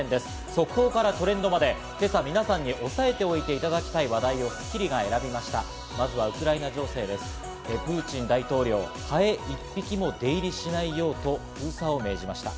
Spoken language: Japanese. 速報からトレンドまで、今朝、皆さんに押さえておいていただきたい話題を『スッキリ』が選びました。